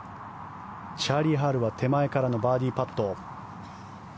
チャーリー・ハルは手前からのバーディーパット。